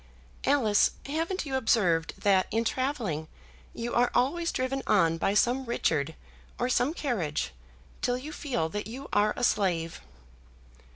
Alice, haven't you observed that, in travelling, you are always driven on by some Richard or some carriage, till you feel that you are a slave?"